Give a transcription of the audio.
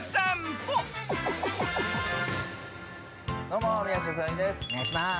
どうも、宮下草薙です。